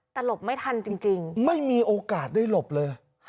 แต่หลบไม่ทันจริงไม่มีโอกาสได้หลบเลย